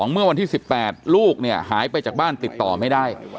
เมื่อวันที่๑๘ลูกหายไปจากบ้านติดต่อไม่ได้